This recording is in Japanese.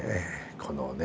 このね